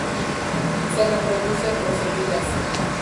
Se reproduce por semillas.